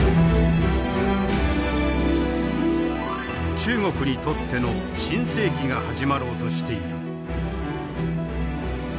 中国にとっての新世紀が始まろうとしている。